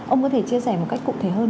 ông có thể chia sẻ một cách cụ thể hơn